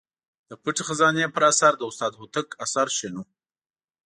د پټې خزانې پر اثر د استاد هوتک اثر شنو.